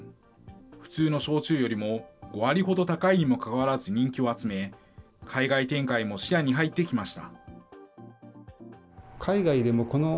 普通の焼酎よりも５割ほど高いにもかかわらず人気を集め、海外展開も視野に入ってきました。